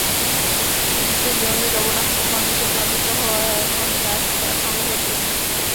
কিন্তু জমি লবণাক্ত পানিতে প্লাবিত হওয়ায় এখন চাষ করা সম্ভব হচ্ছে না।